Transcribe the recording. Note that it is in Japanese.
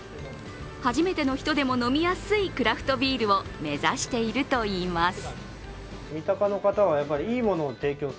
初めての人でも飲みやすいクラフトビールを目指しているといいます。